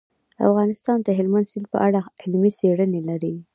افغانستان د هلمند سیند په اړه علمي څېړنې لري.